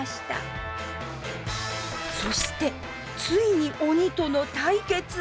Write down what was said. そしてついに鬼との対決！